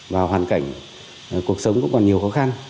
và hoàn cảnh cuộc sống cũng còn nhiều khó khăn